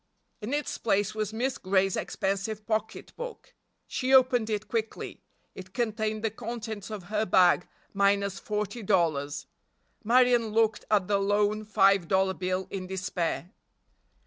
In its place was Miss Gray's expensive pocket book. She opened it quickly. It contained the contents of her bag minus forty dollars. Marion looked at the lone five dollar bill in despair.